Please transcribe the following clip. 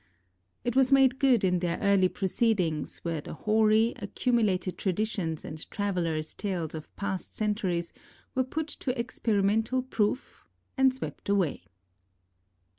' It was made good in their early Proceedings, where the hoary, accumulated traditions and travellers' tales of past centuries were put to experimental proof and swept away.